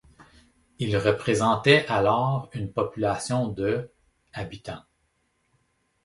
Ils représentaient alors une population de habitants.